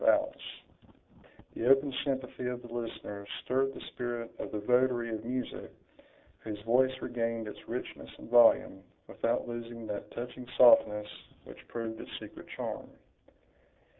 The open sympathy of the listeners stirred the spirit of the votary of music, whose voice regained its richness and volume, without losing that touching softness which proved its secret charm.